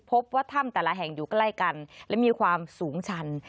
พบว่าถ้ำแต่ละแห่งอยู่ใกล้กันและมีความสูงชัน